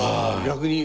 逆に。